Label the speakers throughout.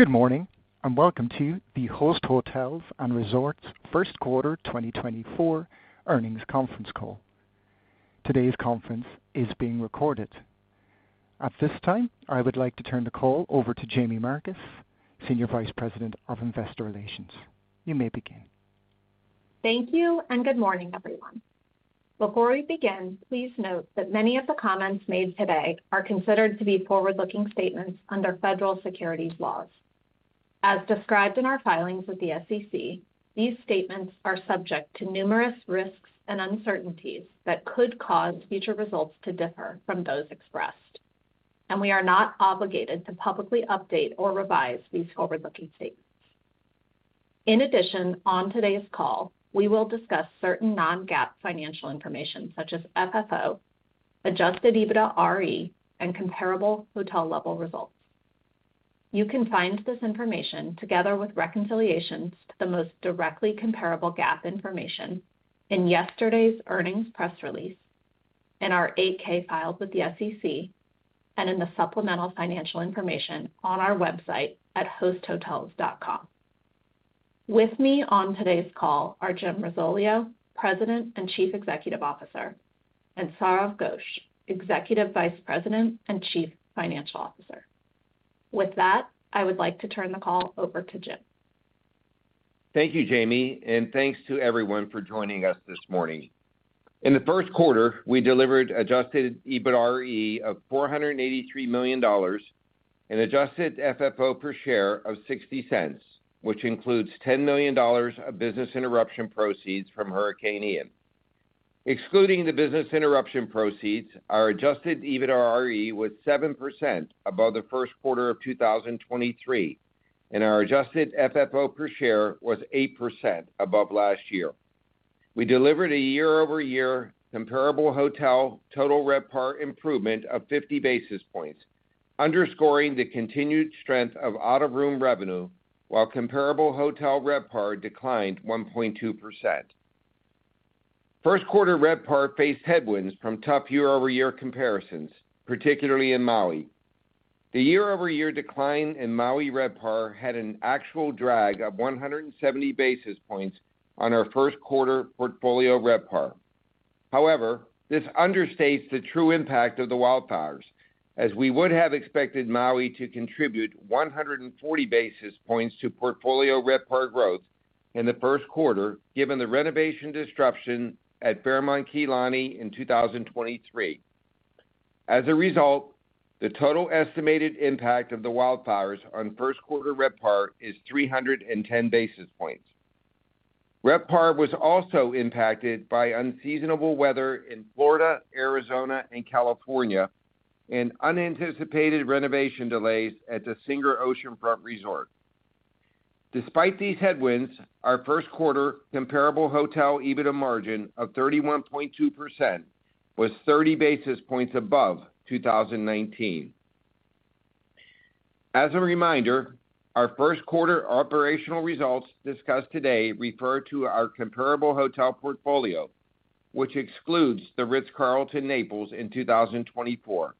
Speaker 1: Good morning, and welcome to the Host Hotels & Resorts Q1 2024 earnings conference call. Today's conference is being recorded. At this time, I would like to turn the call over to Jaime Marcus, Senior Vice President of Investor Relations. You may begin.
Speaker 2: Thank you, and good morning, everyone. Before we begin, please note that many of the comments made today are considered to be forward-looking statements under federal securities laws. As described in our filings with the SEC, these statements are subject to numerous risks and uncertainties that could cause future results to differ from those expressed, and we are not obligated to publicly update or revise these forward-looking statements. In addition, on today's call, we will discuss certain non-GAAP financial information such as FFO, Adjusted EBITDAre, and comparable hotel-level results. You can find this information, together with reconciliations to the most directly comparable GAAP information, in yesterday's earnings press release, in our 8-K filed with the SEC, and in the supplemental financial information on our website at hosthotels.com. With me on today's call are Jim Risoleo, President and Chief Executive Officer, and Sourav Ghosh, Executive Vice President and Chief Financial Officer. With that, I would like to turn the call over to Jim.
Speaker 3: Thank you, Jaime, and thanks to everyone for joining us this morning. In the Q1, we delivered adjusted EBITDAre of $483 million and adjusted FFO per share of $0.60, which includes $10 million of business interruption proceeds from Hurricane Ian. Excluding the business interruption proceeds, our adjusted EBITDAre was 7% above the Q1 of 2023, and our adjusted FFO per share was 8% above last year. We delivered a year-over-year comparable hotel total RevPAR improvement of 50 basis points, underscoring the continued strength of out-of-room revenue, while comparable hotel RevPAR declined 1.2%. Q1 RevPAR faced headwinds from tough year-over-year comparisons, particularly in Maui. The year-over-year decline in Maui RevPAR had an actual drag of 170 basis points on our Q1 portfolio RevPAR. However, this understates the true impact of the wildfires, as we would have expected Maui to contribute 140 basis points to portfolio RevPAR growth in the Q1, given the renovation disruption at Fairmont Kea Lani in 2023. As a result, the total estimated impact of the wildfires on Q1 RevPAR is 310 basis points. RevPAR was also impacted by unseasonable weather in Florida, Arizona and California and unanticipated renovation delays at the Singer Oceanfront Resort. Despite these headwinds, our Q1 comparable hotel EBITDA margin of 31.2% was 30 basis points above 2019. As a reminder, our Q1 operational results discussed today refer to our comparable hotel portfolio, which excludes the Ritz-Carlton Naples in 2024.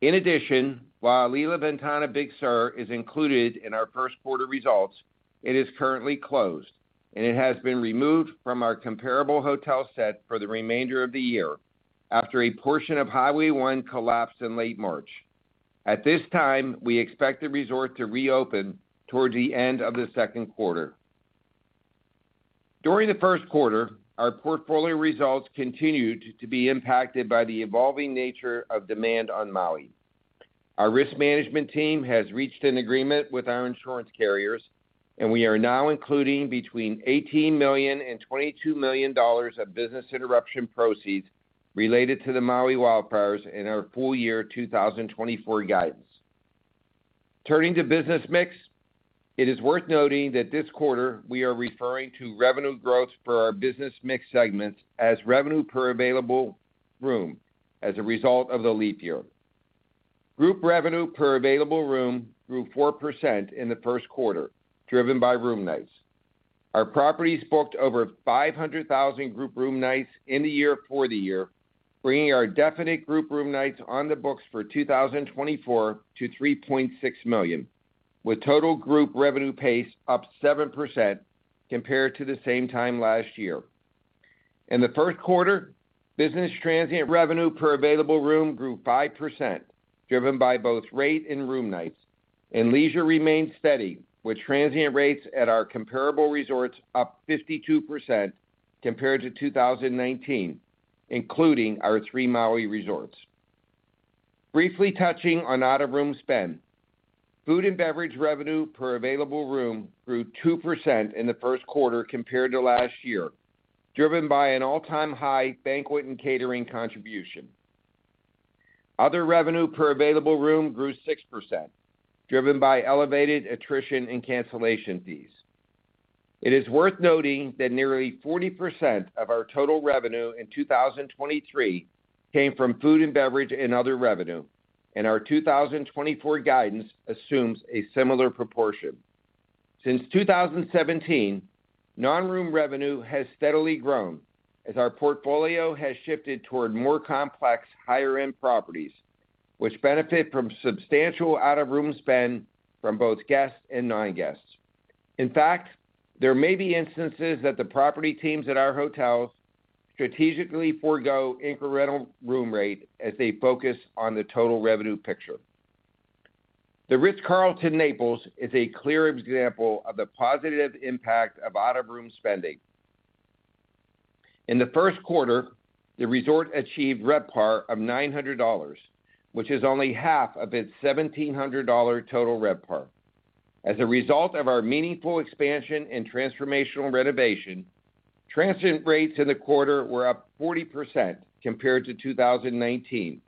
Speaker 3: In addition, while Alila Ventana Big Sur is included in our Q1 results, it is currently closed, and it has been removed from our comparable hotel set for the remainder of the year after a portion of Highway 1 collapsed in late March. At this time, we expect the resort to reopen towards the end of the Q2. During the Q1, our portfolio results continued to be impacted by the evolving nature of demand on Maui. Our risk management team has reached an agreement with our insurance carriers, and we are now including between $18 million and $22 million of business interruption proceeds related to the Maui wildfires in our full-year 2024 guidance. Turning to business mix, it is worth noting that this quarter we are referring to revenue growth for our business mix segments as revenue per available room as a result of the leap year. Group revenue per available room grew 4% in the Q1, driven by room nights. Our properties booked over 500,000 group room nights in the year for the year, bringing our definite group room nights on the books for 2024 to 3.6 million, with total group revenue pace up 7% compared to the same time last year. In the Q1, business transient revenue per available room grew 5%, driven by both rate and room nights, and leisure remained steady, with transient rates at our comparable resorts up 52% compared to 2019, including our 3 Maui resorts. Briefly touching on out-of-room spend. Food and beverage revenue per available room grew 2% in the Q1 compared to last year, driven by an all-time high banquet and catering contribution. Other revenue per available room grew 6%, driven by elevated attrition and cancellation fees. It is worth noting that nearly 40% of our total revenue in 2023 came from food and beverage and other revenue, and our 2024 guidance assumes a similar proportion. Since 2017, non-room revenue has steadily grown as our portfolio has shifted toward more complex, higher-end properties, which benefit from substantial out-of-room spend from both guests and non-guests. In fact, there may be instances that the property teams at our hotels strategically forego incremental room rate as they focus on the total revenue picture. The Ritz-Carlton Naples is a clear example of the positive impact of out-of-room spending. In the Q1, the resort achieved RevPAR of $900, which is only half of its $1,700 total RevPAR. As a result of our meaningful expansion and transformational renovation, transient rates in the quarter were up 40% compared to 2019,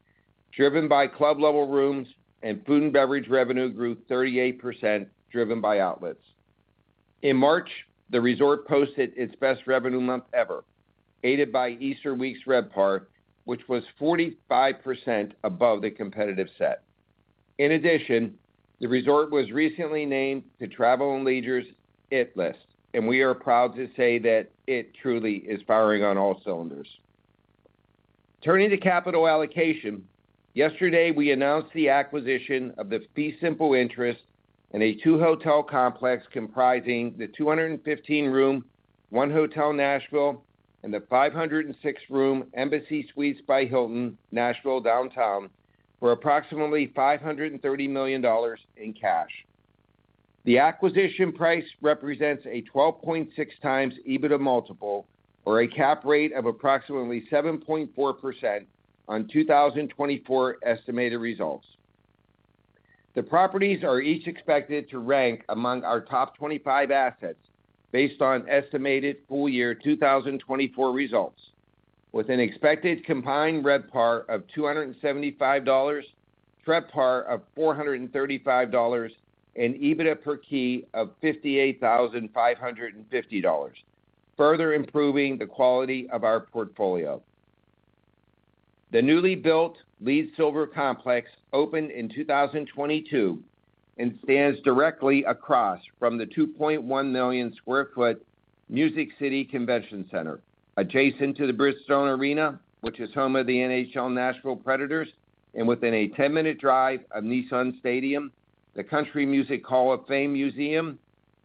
Speaker 3: driven by club-level rooms, and food and beverage revenue grew 38%, driven by outlets. In March, the resort posted its best revenue month ever, aided by Easter week's RevPAR, which was 45% above the competitive set. In addition, the resort was recently named to Travel + Leisure's It List, and we are proud to say that it truly is firing on all cylinders. Turning to capital allocation, yesterday, we announced the acquisition of the fee simple interest in a two-hotel complex comprising the 215-room 1 Hotel Nashville and the 506-room Embassy Suites by Hilton Nashville Downtown for approximately $530 million in cash. The acquisition price represents a 12.6x EBITDA multiple or a cap rate of approximately 7.4% on 2024 estimated results. The properties are each expected to rank among our top 25 assets based on estimated full year 2024 results, with an expected combined RevPAR of $275, TRevPAR of $435, and EBITDA per key of $58,550, further improving the quality of our portfolio. The newly built LEED Silver Complex opened in 2022 and stands directly across from the 2.1 million sq ft Music City Convention Center, adjacent to the Bridgestone Arena, which is home of the NHL Nashville Predators, and within a 10-minute drive of Nissan Stadium, the Country Music Hall of Fame Museum,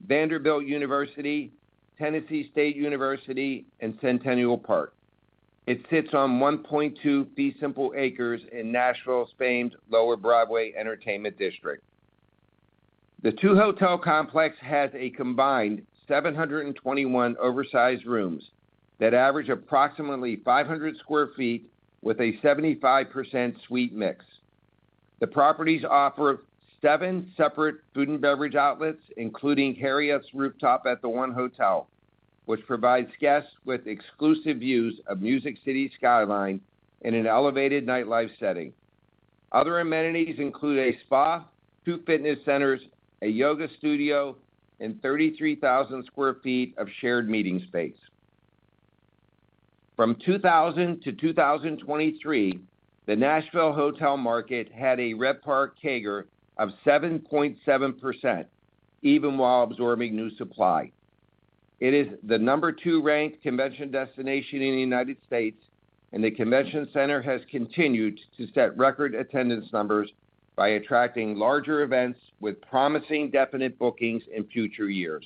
Speaker 3: Vanderbilt University, Tennessee State University, and Centennial Park. It sits on 1.2 fee simple acres in Nashville's famed Lower Broadway Entertainment District. The two-hotel complex has a combined 721 oversized rooms that average approximately 500 sq ft with a 75% suite mix. The properties offer 7 separate food and beverage outlets, including Harriet's Rooftop at the 1 Hotel, which provides guests with exclusive views of Music City skyline in an elevated nightlife setting. Other amenities include a spa, two fitness centers, a yoga studio, and 33,000 sq ft of shared meeting space. From 2000 to 2023, the Nashville hotel market had a RevPAR CAGR of 7.7%, even while absorbing new supply. It is the number two ranked convention destination in the United States, and the convention center has continued to set record attendance numbers by attracting larger events with promising definite bookings in future years.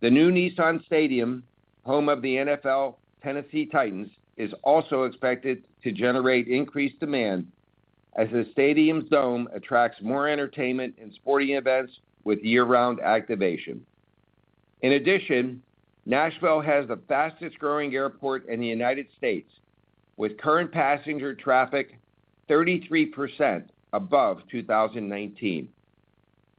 Speaker 3: The new Nissan Stadium, home of the NFL Tennessee Titans, is also expected to generate increased demand as the stadium's dome attracts more entertainment and sporting events with year-round activation. In addition, Nashville has the fastest growing airport in the United States, with current passenger traffic 33% above 2019.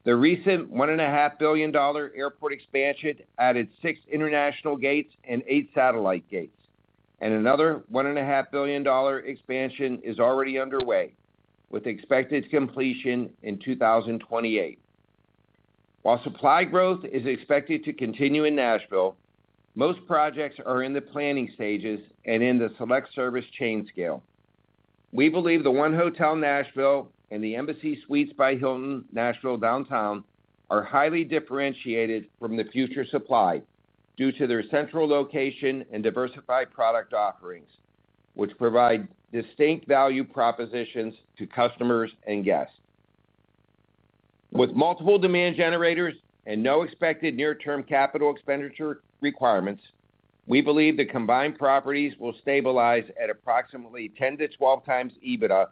Speaker 3: The recent $1.5 billion airport expansion added 6 international gates and 8 satellite gates, and another $1.5 billion expansion is already underway, with expected completion in 2028. While supply growth is expected to continue in Nashville, most projects are in the planning stages and in the select service chain scale. We believe the 1 Hotel Nashville and the Embassy Suites by Hilton Nashville Downtown are highly differentiated from the future supply due to their central location and diversified product offerings, which provide distinct value propositions to customers and guests. With multiple demand generators and no expected near-term capital expenditure requirements, we believe the combined properties will stabilize at approximately 10-12 times EBITDA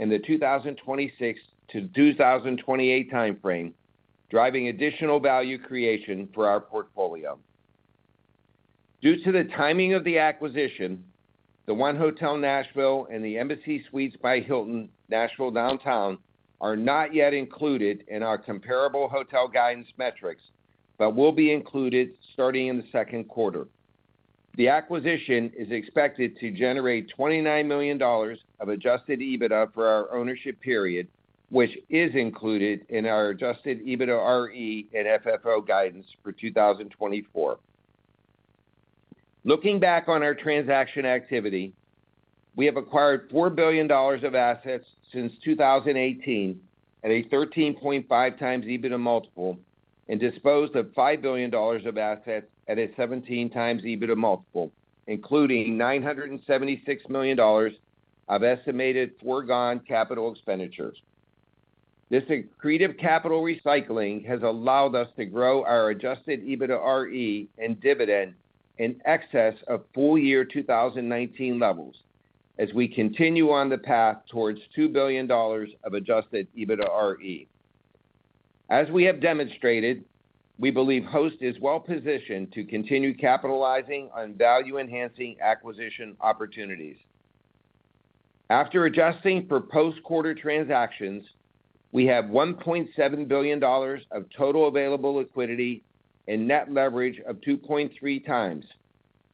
Speaker 3: in the 2026-2028 timeframe, driving additional value creation for our portfolio. Due to the timing of the acquisition, the 1 Hotel Nashville and the Embassy Suites by Hilton Nashville Downtown are not yet included in our comparable hotel guidance metrics, but will be included starting in the Q2. The acquisition is expected to generate $29 million of adjusted EBITDA for our ownership period, which is included in our adjusted EBITDAre and FFO guidance for 2024.... Looking back on our transaction activity, we have acquired $4 billion of assets since 2018, at a 13.5x EBITDA multiple, and disposed of $5 billion of assets at a 17x EBITDA multiple, including $976 million of estimated foregone capital expenditures. This accretive capital recycling has allowed us to grow our adjusted EBITDAre and dividend in excess of full year 2019 levels, as we continue on the path towards $2 billion of adjusted EBITDAre. As we have demonstrated, we believe Host is well positioned to continue capitalizing on value-enhancing acquisition opportunities. After adjusting for post-quarter transactions, we have $1.7 billion of total available liquidity and net leverage of 2.3 times,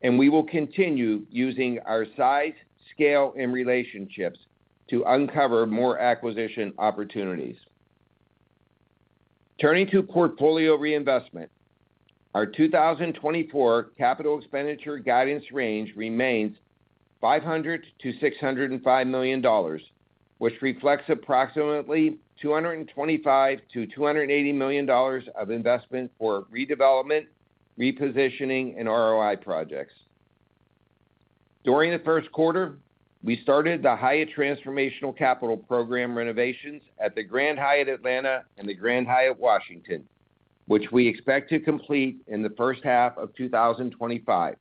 Speaker 3: and we will continue using our size, scale, and relationships to uncover more acquisition opportunities. Turning to portfolio reinvestment, our 2024 capital expenditure guidance range remains $500 million-$605 million, which reflects approximately $225 million-$280 million of investment for redevelopment, repositioning, and ROI projects. During the Q1, we started the Hyatt Transformational Capital Program renovations at the Grand Hyatt Atlanta and the Grand Hyatt Washington, which we expect to complete in the first half of 2025.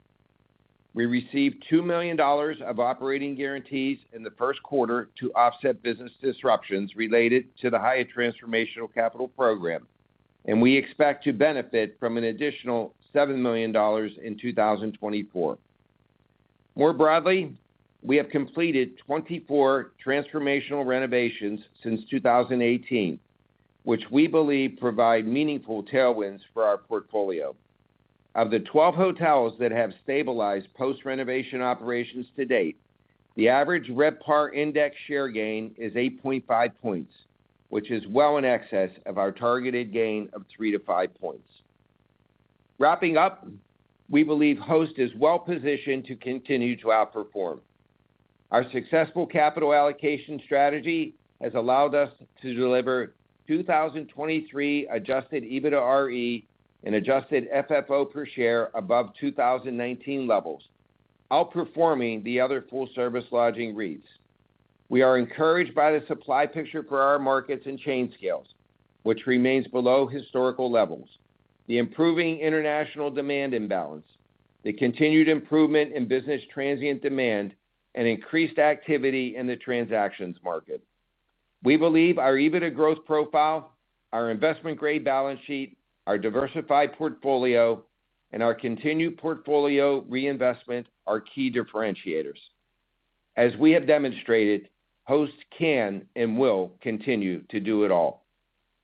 Speaker 3: We received $2 million of operating guarantees in the Q1 to offset business disruptions related to the Hyatt Transformational Capital Program, and we expect to benefit from an additional $7 million in 2024. More broadly, we have completed 24 transformational renovations since 2018, which we believe provide meaningful tailwinds for our portfolio. Of the 12 hotels that have stabilized post-renovation operations to date, the average RevPAR index share gain is 8.5 points, which is well in excess of our targeted gain of 3-5 points. Wrapping up, we believe Host is well positioned to continue to outperform. Our successful capital allocation strategy has allowed us to deliver 2023 adjusted EBITDAre and adjusted FFO per share above 2019 levels, outperforming the other full-service lodging REITs. We are encouraged by the supply picture for our markets and chain scales, which remains below historical levels, the improving international demand imbalance, the continued improvement in business transient demand, and increased activity in the transactions market. We believe our EBIT growth profile, our investment-grade balance sheet, our diversified portfolio, and our continued portfolio reinvestment are key differentiators. As we have demonstrated, Host can and will continue to do it all.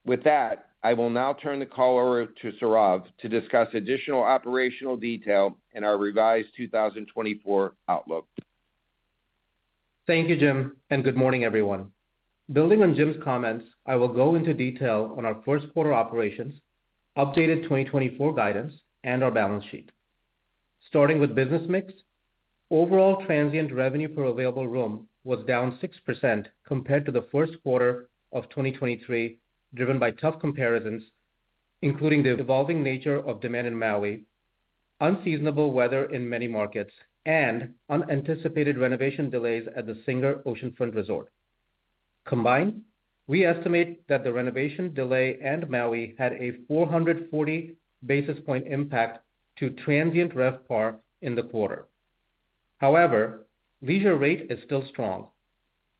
Speaker 3: With that, I will now turn the call over to Sourav to discuss additional operational detail in our revised 2024 outlook.
Speaker 4: Thank you, Jim, and good morning, everyone. Building on Jim's comments, I will go into detail on our Q1 operations, updated 2024 guidance, and our balance sheet. Starting with business mix, overall transient revenue per available room was down 6% compared to the Q1 of 2023, driven by tough comparisons, including the evolving nature of demand in Maui, unseasonable weather in many markets, and unanticipated renovation delays at the Singer Oceanfront Resort. Combined, we estimate that the renovation delay and Maui had a 440 basis point impact to transient RevPAR in the quarter. However, leisure rate is still strong.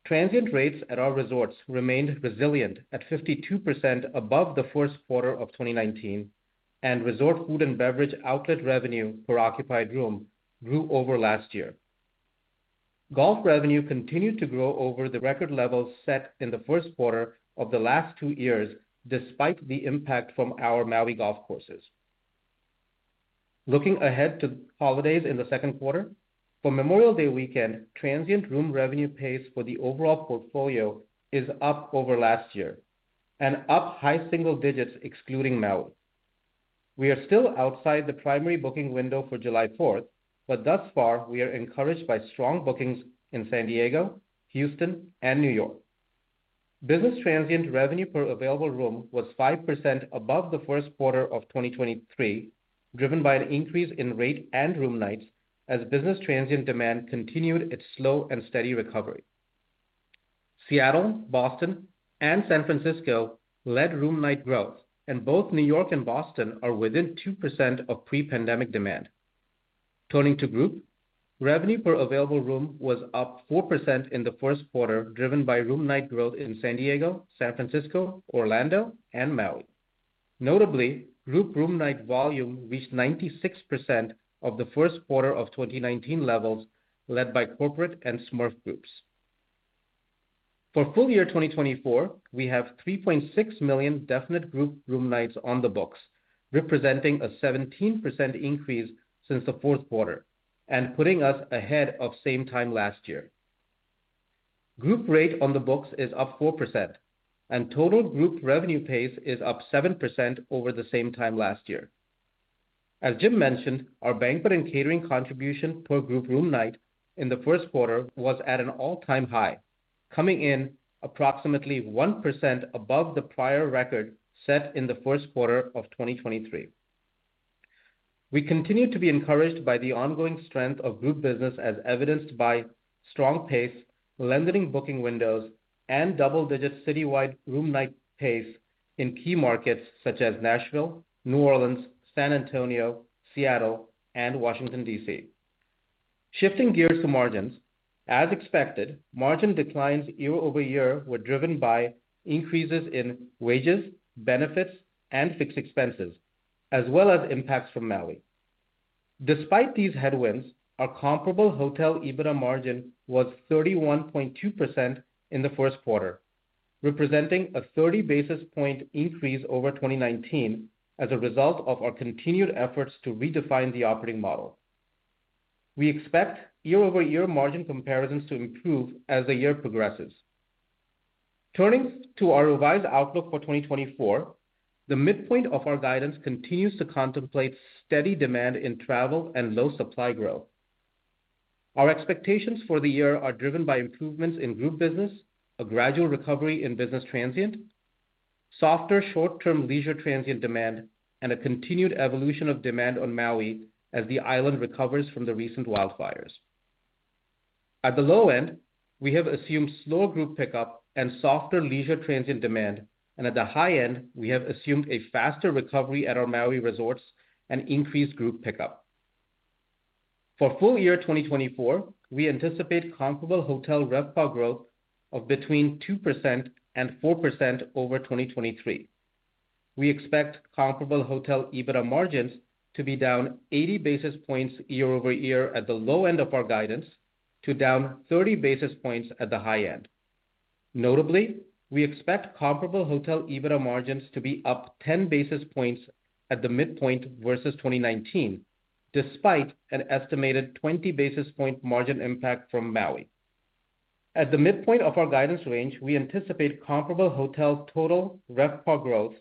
Speaker 4: Transient rates at our resorts remained resilient at 52% above the Q1 of 2019, and resort food and beverage outlet revenue per occupied room grew over last year. Golf revenue continued to grow over the record levels set in the Q1 of the last two years, despite the impact from our Maui golf courses. Looking ahead to holidays in the Q2, for Memorial Day weekend, transient room revenue pace for the overall portfolio is up over last year and up high single digits, excluding Maui. We are still outside the primary booking window for July 4th, but thus far, we are encouraged by strong bookings in San Diego, Houston, and New York. Business transient revenue per available room was 5% above the Q1 of 2023, driven by an increase in rate and room nights as business transient demand continued its slow and steady recovery. Seattle, Boston, and San Francisco led room night growth, and both New York and Boston are within 2% of pre-pandemic demand. Turning to group, revenue per available room was up 4% in the Q1, driven by room night growth in San Diego, San Francisco, Orlando, and Maui. Notably, group room night volume reached 96% of the Q1 of 2019 levels, led by corporate and SMERF groups. For full year 2024, we have 3.6 million definite group room nights on the books, representing a 17% increase since the Q4 and putting us ahead of same time last year. Group rate on the books is up 4%, and total group revenue pace is up 7% over the same time last year. As Jim mentioned, our banquet and catering contribution per group room night in the Q1 was at an all-time high, coming in approximately 1% above the prior record set in the Q1 of 2023. We continue to be encouraged by the ongoing strength of group business, as evidenced by strong pace, lengthening booking windows, and double-digit citywide room night pace in key markets such as Nashville, New Orleans, San Antonio, Seattle, and Washington, D.C. Shifting gears to margins. As expected, margin declines year-over-year were driven by increases in wages, benefits, and fixed expenses, as well as impacts from Maui. Despite these headwinds, our comparable hotel EBITDA margin was 31.2% in the Q1, representing a 30 basis point increase over 2019 as a result of our continued efforts to redefine the operating model. We expect year-over-year margin comparisons to improve as the year progresses. Turning to our revised outlook for 2024, the midpoint of our guidance continues to contemplate steady demand in travel and low supply growth. Our expectations for the year are driven by improvements in group business, a gradual recovery in business transient, softer short-term leisure transient demand, and a continued evolution of demand on Maui as the island recovers from the recent wildfires. At the low end, we have assumed slow group pickup and softer leisure transient demand, and at the high end, we have assumed a faster recovery at our Maui resorts and increased group pickup. For full year 2024, we anticipate comparable hotel RevPAR growth of between 2% and 4% over 2023. We expect comparable hotel EBITDA margins to be down 80 basis points year over year at the low end of our guidance, to down 30 basis points at the high end. Notably, we expect comparable hotel EBITDA margins to be up 10 basis points at the midpoint versus 2019, despite an estimated 20 basis point margin impact from Maui. At the midpoint of our guidance range, we anticipate comparable hotel total RevPAR growth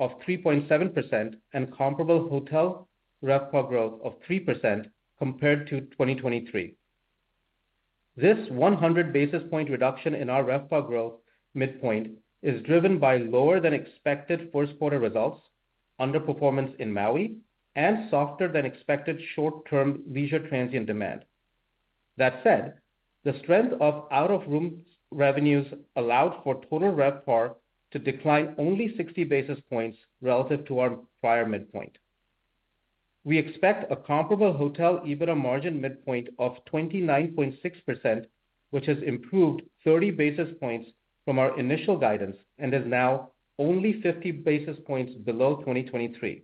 Speaker 4: of 3.7% and comparable hotel RevPAR growth of 3% compared to 2023. This 100 basis point reduction in our RevPAR growth midpoint is driven by lower than expected Q1 results, underperformance in Maui, and softer than expected short-term leisure transient demand. That said, the strength of out-of-room revenues allowed for total RevPAR to decline only 60 basis points relative to our prior midpoint. We expect a comparable hotel EBITDA margin midpoint of 29.6%, which has improved 30 basis points from our initial guidance and is now only 50 basis points below 2023.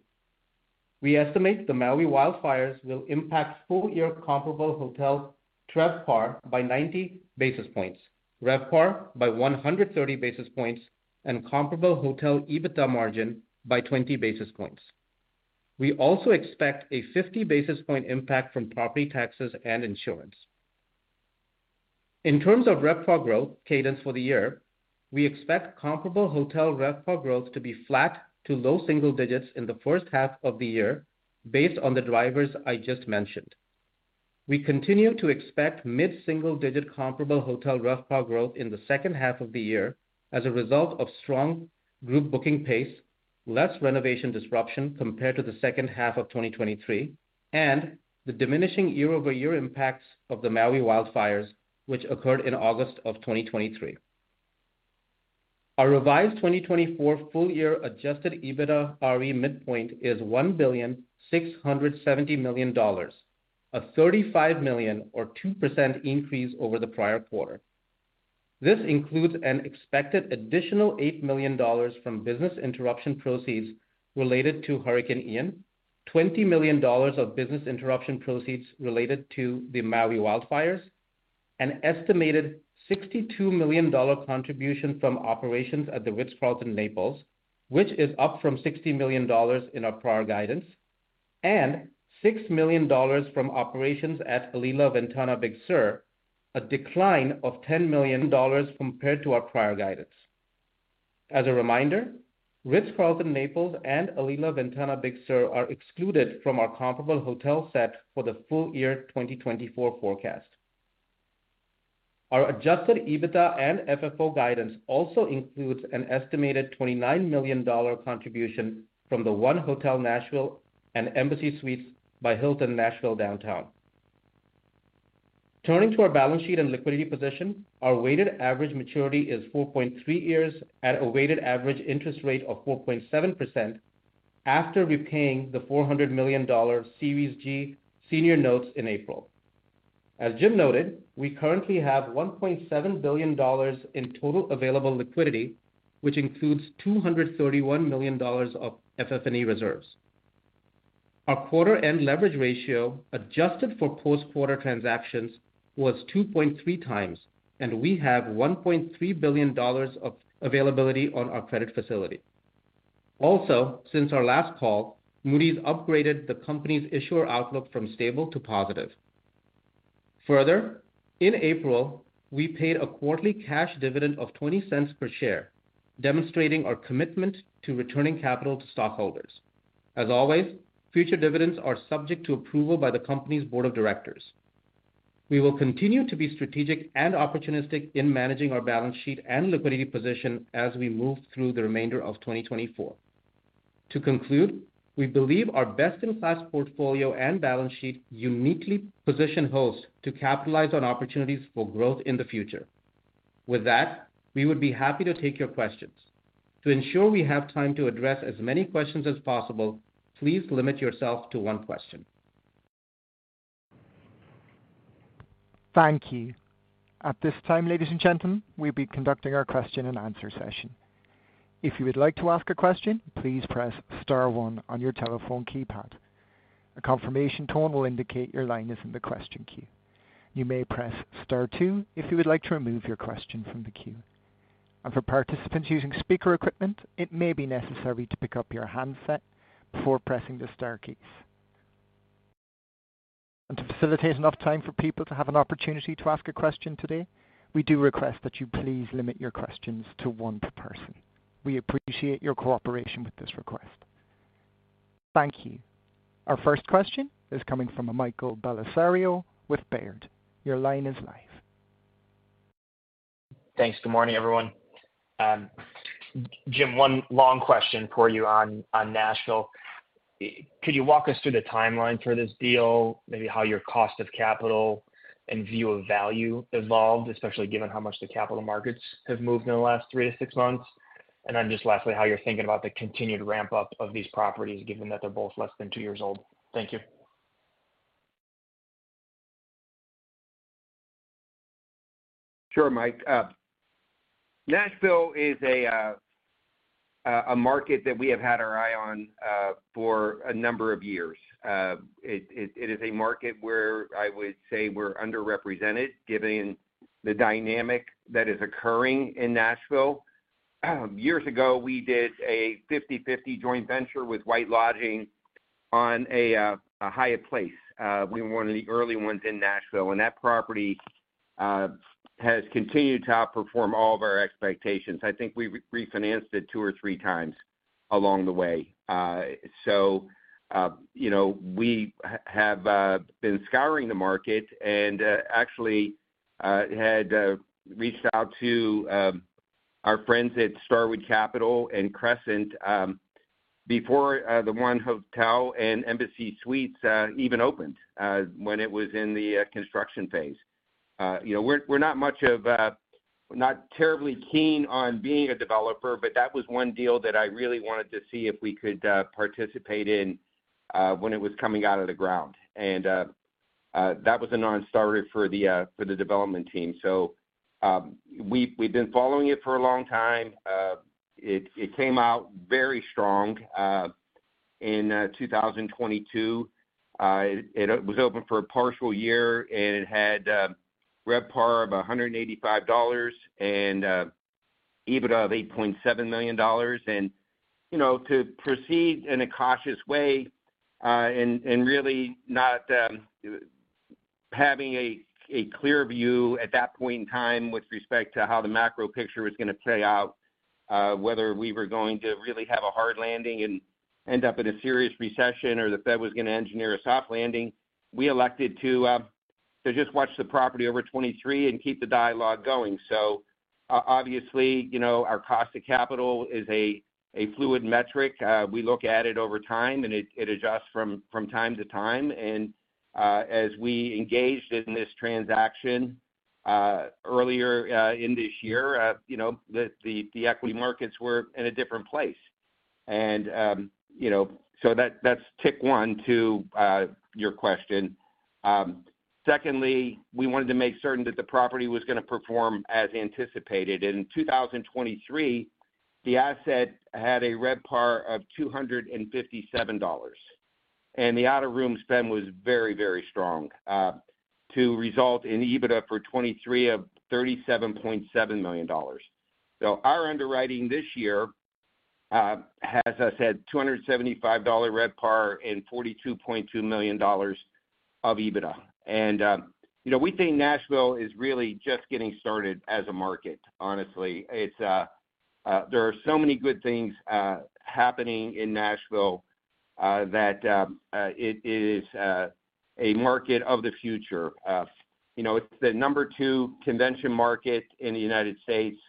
Speaker 4: We estimate the Maui wildfires will impact full-year comparable hotel TRevPAR by 90 basis points, RevPAR by 130 basis points, and comparable hotel EBITDA margin by 20 basis points. We also expect a 50 basis points impact from property taxes and insurance. In terms of RevPAR growth cadence for the year, we expect comparable hotel RevPAR growth to be flat to low single digits in the first half of the year, based on the drivers I just mentioned. We continue to expect mid-single digit comparable hotel RevPAR growth in the second half of the year as a result of strong group booking pace, less renovation disruption compared to the second half of 2023, and the diminishing year-over-year impacts of the Maui wildfires, which occurred in August of 2023. Our revised 2024 full-year Adjusted EBITDAre midpoint is $1.67 billion, a $35 million or 2% increase over the prior quarter. This includes an expected additional $8 million from business interruption proceeds related to Hurricane Ian, $20 million of business interruption proceeds related to the Maui wildfires, an estimated $62 million contribution from operations at the Ritz-Carlton Naples, which is up from $60 million in our prior guidance, and $6 million from operations at Alila Ventana Big Sur, a decline of $10 million compared to our prior guidance. As a reminder, Ritz-Carlton Naples and Alila Ventana Big Sur are excluded from our comparable hotel set for the full-year 2024 forecast. Our adjusted EBITDA and FFO guidance also includes an estimated $29 million contribution from the 1 Hotel Nashville and Embassy Suites by Hilton Nashville Downtown. Turning to our balance sheet and liquidity position, our weighted average maturity is 4.3 years at a weighted average interest rate of 4.7% after repaying the $400 million Series G senior notes in April. As Jim noted, we currently have $1.7 billion in total available liquidity, which includes $231 million of FF&E reserves. Our quarter-end leverage ratio, adjusted for post-quarter transactions, was 2.3 times, and we have $1.3 billion of availability on our credit facility.... Also, since our last call, Moody's upgraded the company's issuer outlook from stable to positive. Further, in April, we paid a quarterly cash dividend of $0.20 per share, demonstrating our commitment to returning capital to stockholders. As always, future dividends are subject to approval by the company's board of directors. We will continue to be strategic and opportunistic in managing our balance sheet and liquidity position as we move through the remainder of 2024. To conclude, we believe our best-in-class portfolio and balance sheet uniquely position Host to capitalize on opportunities for growth in the future. With that, we would be happy to take your questions. To ensure we have time to address as many questions as possible, please limit yourself to one question.
Speaker 1: Thank you. At this time, ladies and gentlemen, we'll be conducting our question and answer session. If you would like to ask a question, please press star one on your telephone keypad. A confirmation tone will indicate your line is in the question queue. You may press star two if you would like to remove your question from the queue. For participants using speaker equipment, it may be necessary to pick up your handset before pressing the star keys. To facilitate enough time for people to have an opportunity to ask a question today, we do request that you please limit your questions to one per person. We appreciate your cooperation with this request. Thank you. Our first question is coming from Michael Bellisario with Baird. Your line is live.
Speaker 5: Thanks. Good morning, everyone. Jim, one long question for you on Nashville. Could you walk us through the timeline for this deal, maybe how your cost of capital and view of value evolved, especially given how much the capital markets have moved in the last 3-6 months? And then just lastly, how you're thinking about the continued ramp-up of these properties, given that they're both less than two years old. Thank you.
Speaker 3: Sure, Mike. Nashville is a market that we have had our eye on for a number of years. It is a market where I would say we're underrepresented, given the dynamic that is occurring in Nashville. Years ago, we did a 50/50 joint venture with White Lodging on a Hyatt Place. We were one of the early ones in Nashville, and that property has continued to outperform all of our expectations. I think we refinanced it two or three times along the way. So, you know, we have been scouring the market and actually had reached out to our friends at Starwood Capital and Crescent before the one hotel and Embassy Suites even opened when it was in the construction phase. You know, we're, we're not much of, not terribly keen on being a developer, but that was one deal that I really wanted to see if we could participate in, when it was coming out of the ground. And, that was an all-star for the, for the development team. So, we've, we've been following it for a long time. It, it came out very strong, in 2022. It, it was open for a partial year, and it had RevPAR of $185 and EBITDA of $8.7 million. You know, to proceed in a cautious way, and really not having a clear view at that point in time with respect to how the macro picture was gonna play out, whether we were going to really have a hard landing and end up in a serious recession, or the Fed was gonna engineer a soft landing, we elected to just watch the property over 2023 and keep the dialogue going. So obviously, you know, our cost of capital is a fluid metric. We look at it over time, and it adjusts from time to time. As we engaged in this transaction earlier in this year, you know, the equity markets were in a different place. You know, so that's tick one to your question. Secondly, we wanted to make certain that the property was gonna perform as anticipated. In 2023, the asset had a RevPAR of $257, and the out-of-room spend was very, very strong to result in EBITDA for 2023 of $37.7 million. So our underwriting this year has us at $275 RevPAR and $42.2 million of EBITDA. And, you know, we think Nashville is really just getting started as a market, honestly. It's there are so many good things happening in Nashville that it is a market of the future. You know, it's the number two convention market in the United States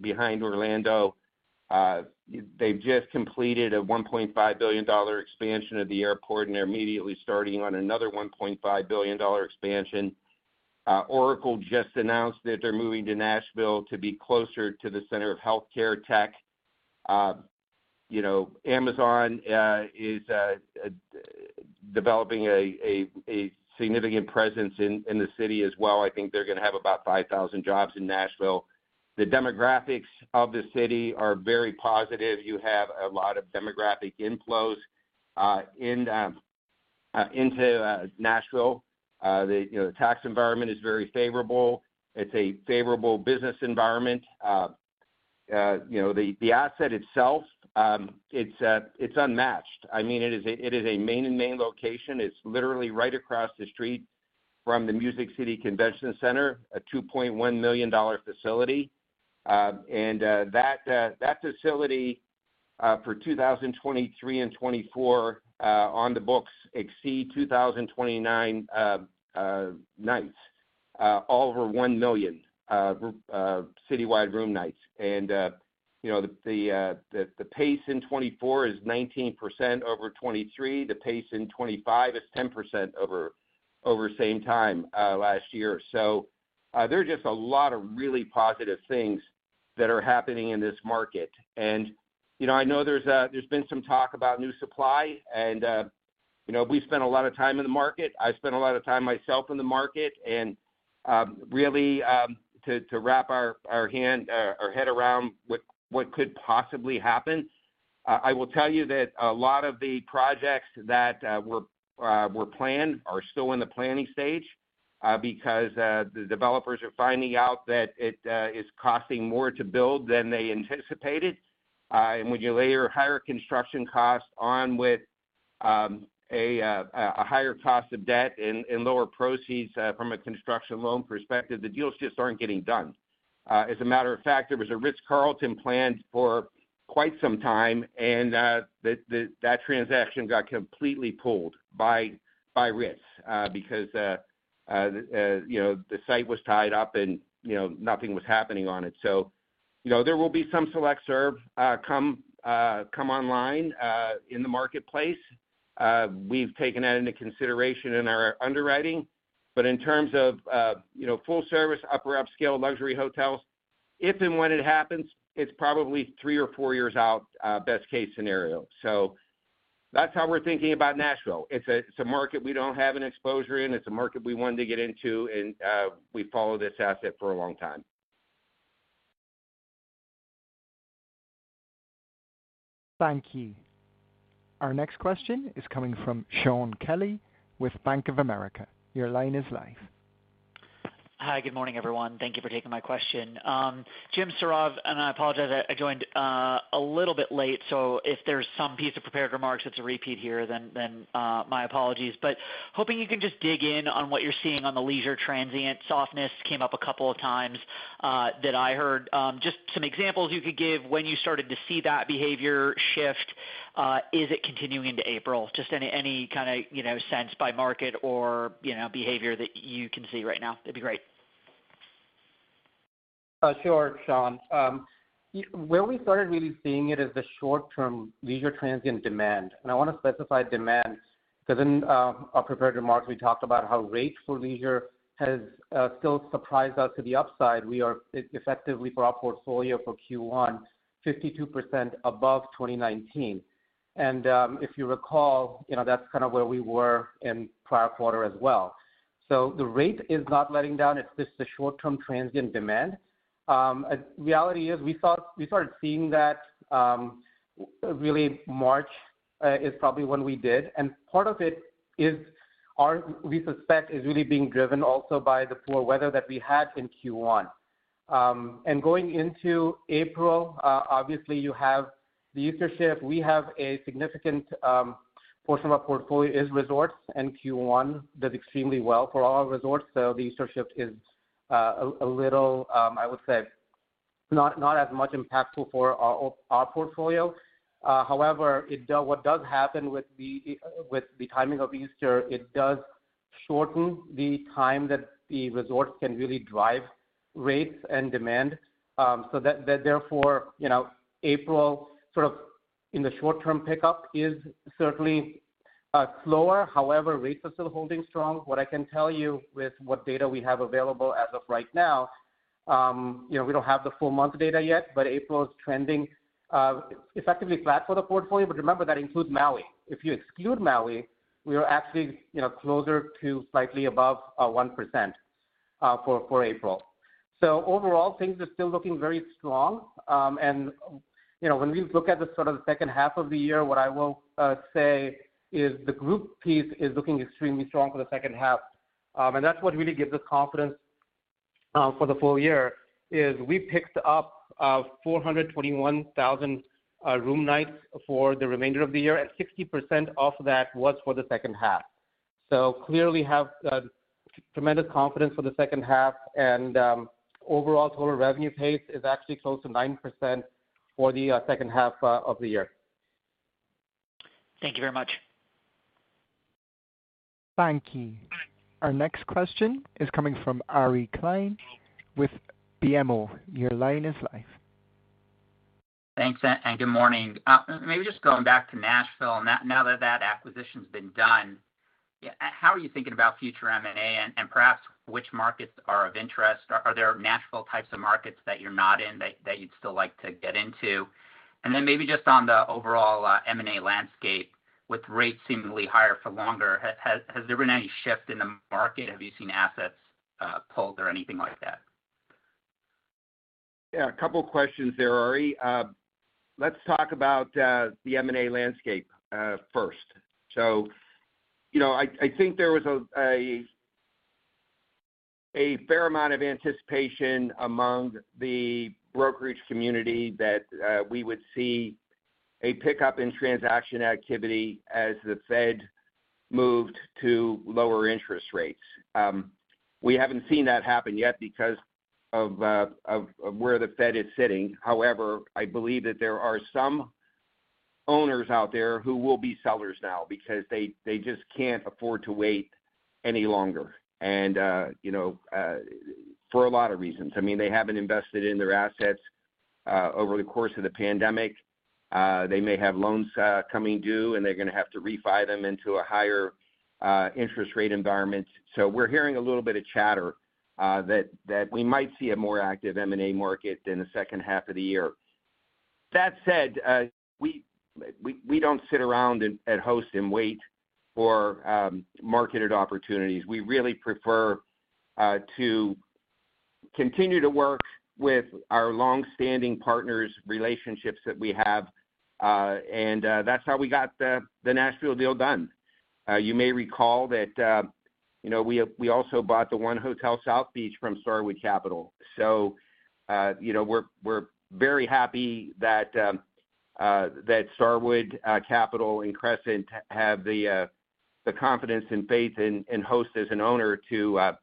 Speaker 3: behind Orlando. They've just completed a $1.5 billion expansion of the airport, and they're immediately starting on another $1.5 billion expansion. Oracle just announced that they're moving to Nashville to be closer to the center of healthcare tech. You know, Amazon is developing a significant presence in the city as well. I think they're gonna have about 5,000 jobs in Nashville. The demographics of the city are very positive. You have a lot of demographic inflows into Nashville. You know, the tax environment is very favorable. It's a favorable business environment. You know, the asset itself, it's unmatched. I mean, it is a main and main location. It's literally right across the street from the Music City Convention Center, a 2.1 million-square-foot facility. And that facility for 2023 and 2024 on the books exceed 2029 nights all over one million citywide room nights. And you know the pace in 2024 is 19% over 2023. The pace in 2025 is 10% over the same time last year. So there are just a lot of really positive things that are happening in this market. And you know I know there's been some talk about new supply and you know we've spent a lot of time in the market. I've spent a lot of time myself in the market, and really to wrap our head around what could possibly happen. I will tell you that a lot of the projects that were planned are still in the planning stage, because the developers are finding out that it is costing more to build than they anticipated. And when you layer higher construction costs on with a higher cost of debt and lower proceeds from a construction loan perspective, the deals just aren't getting done. As a matter of fact, there was a Ritz-Carlton planned for quite some time, and that transaction got completely pulled by Ritz because you know, the site was tied up and you know, nothing was happening on it. So you know, there will be some select service come online in the marketplace. We've taken that into consideration in our underwriting, but in terms of you know, full service, upper upscale luxury hotels, if and when it happens, it's probably three or four years out, best case scenario. So that's how we're thinking about Nashville. It's a market we don't have an exposure in. It's a market we wanted to get into, and we followed this asset for a long time.
Speaker 1: Thank you. Our next question is coming from Shaun Kelly with Bank of America. Your line is live.
Speaker 6: Hi, good morning, everyone. Thank you for taking my question. Jim, Sourav, and I apologize, I joined a little bit late, so if there's some piece of prepared remarks that's a repeat here, then my apologies. But hoping you can just dig in on what you're seeing on the leisure transient softness, came up a couple of times that I heard. Just some examples you could give when you started to see that behavior shift. Is it continuing into April? Just any kinda, you know, sense by market or, you know, behavior that you can see right now, that'd be great.
Speaker 4: Sure, Sean. Where we started really seeing it is the short term leisure transient demand, and I want to specify demand, because in our prepared remarks, we talked about how rates for leisure has still surprised us to the upside. We are effectively for our portfolio for Q1, 52% above 2019. And if you recall, you know, that's kind of where we were in prior quarter as well. So the rate is not letting down. It's just the short-term transient demand. Reality is, we thought we started seeing that really March is probably when we did. And part of it is our, we suspect, is really being driven also by the poor weather that we had in Q1. And going into April, obviously, you have the Easter shift. We have a significant portion of our portfolio is resorts, and Q1 did extremely well for all our resorts, so the Easter shift is a little, I would say, not as much impactful for our portfolio. However, it does what does happen with the timing of Easter, it does shorten the time that the resorts can really drive rates and demand. So that therefore, you know, April, sort of in the short term pickup, is certainly slower. However, rates are still holding strong. What I can tell you with what data we have available as of right now, you know, we don't have the full month data yet, but April is trending effectively flat for the portfolio. But remember, that includes Maui. If you exclude Maui, we are actually, you know, closer to slightly above 1% for April. So overall, things are still looking very strong. And, you know, when we look at the sort of the second half of the year, what I will say is the group piece is looking extremely strong for the second half. And that's what really gives us confidence for the full year, is we picked up 421,000 room nights for the remainder of the year, and 60% of that was for the second half. So clearly have tremendous confidence for the second half. And overall total revenue pace is actually close to 9% for the second half of the year.
Speaker 6: Thank you very much.
Speaker 1: Thank you. Our next question is coming from Ari Klein with BMO. Your line is live.
Speaker 7: Thanks, and good morning. Maybe just going back to Nashville, now that that acquisition's been done, how are you thinking about future M&A and perhaps which markets are of interest? Are there Nashville types of markets that you're not in, that you'd still like to get into? And then maybe just on the overall M&A landscape, with rates seemingly higher for longer, has there been any shift in the market? Have you seen assets pulled or anything like that?...
Speaker 3: Yeah, a couple questions there, Ari. Let's talk about the M&A landscape first. So, you know, I think there was a fair amount of anticipation among the brokerage community that we would see a pickup in transaction activity as the Fed moved to lower interest rates. We haven't seen that happen yet because of where the Fed is sitting. However, I believe that there are some owners out there who will be sellers now because they just can't afford to wait any longer, and you know, for a lot of reasons. I mean, they haven't invested in their assets over the course of the pandemic. They may have loans coming due, and they're gonna have to refi them into a higher interest rate environment. So we're hearing a little bit of chatter that we might see a more active M&A market in the second half of the year. That said, we don't sit around at Host and wait for marketed opportunities. We really prefer to continue to work with our long-standing partners, relationships that we have, and that's how we got the Nashville deal done. You may recall that, you know, we also bought the 1 Hotel South Beach from Starwood Capital. So, you know, we're very happy that Starwood Capital and Crescent have the confidence and faith in Host as an owner to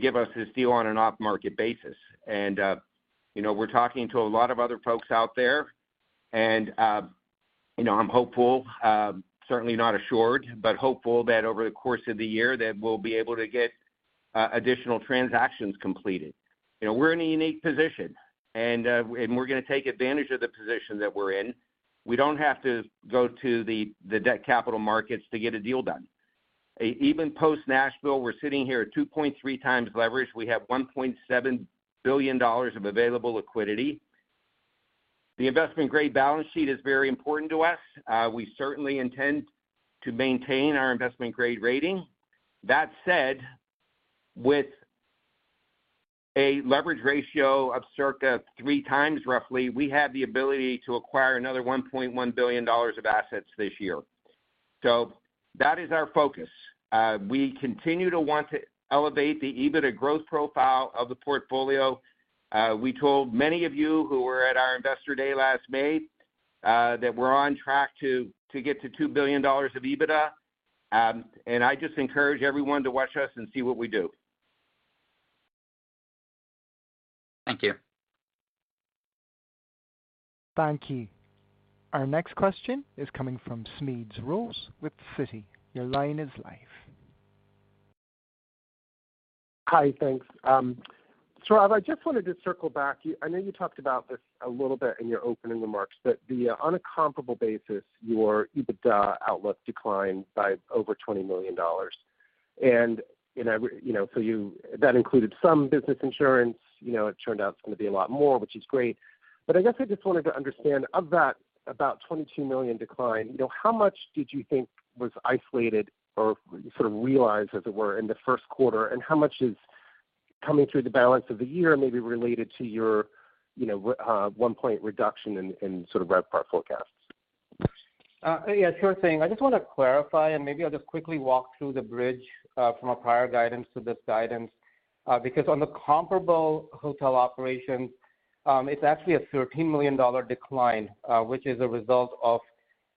Speaker 3: give us this deal on an off-market basis. You know, we're talking to a lot of other folks out there, and you know, I'm hopeful, certainly not assured, but hopeful that over the course of the year, that we'll be able to get additional transactions completed. You know, we're in a unique position, and we're gonna take advantage of the position that we're in. We don't have to go to the debt capital markets to get a deal done. Even post Nashville, we're sitting here at 2.3x leverage. We have $1.7 billion of available liquidity. The Investment-Grade balance sheet is very important to us. We certainly intend to maintain our Investment-Grade rating. That said, with a leverage ratio of circa 3x roughly, we have the ability to acquire another $1.1 billion of assets this year. That is our focus. We continue to want to elevate the EBITDA growth profile of the portfolio. We told many of you who were at our Investor Day last May that we're on track to get to $2 billion of EBITDA. I just encourage everyone to watch us and see what we do.
Speaker 7: Thank you.
Speaker 1: Thank you. Our next question is coming from Smedes Rose with Citi. Your line is live.
Speaker 8: Hi, thanks. So I just wanted to circle back. I know you talked about this a little bit in your opening remarks, but the, on a comparable basis, your EBITDA outlook declined by over $20 million. And, you know, you know, so you-- that included some business insurance. You know, it turned out it's gonna be a lot more, which is great. But I guess I just wanted to understand, of that, about $22 million decline, you know, how much did you think was isolated or sort of realized, as it were, in the Q1? And how much is coming through the balance of the year, maybe related to your, you know, 1-point reduction in sort of RevPAR forecasts?
Speaker 3: Yeah, sure thing. I just want to clarify, and maybe I'll just quickly walk through the bridge from our prior guidance to this guidance. Because on the comparable hotel operations, it's actually a $13 million decline, which is a result of